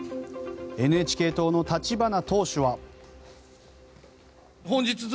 ＮＨＫ党の立花党首は。